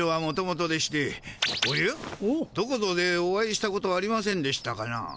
おやっどこぞでお会いしたことありませんでしたかな？